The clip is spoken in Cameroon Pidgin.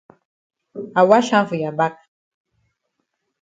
I wash hand for ya back.